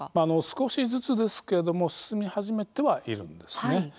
少しずつですけれども進み始めてはいるんですね。